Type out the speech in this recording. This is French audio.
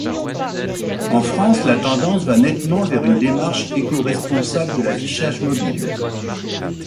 En France la tendance va nettement vers une démarche éco-responsable de l'affichage mobile.